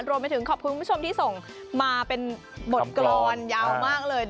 รวมไปถึงขอบคุณผู้ชมที่ส่งมาเป็นบทกรรมยาวมากเลย